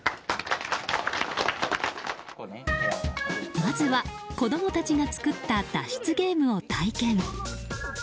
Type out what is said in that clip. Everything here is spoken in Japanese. まずは子供たちが作った脱出ゲームを体験。